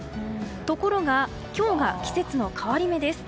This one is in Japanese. ところが今日が季節の変わり目です。